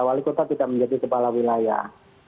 wali kota tidak menjadi kepala wilayah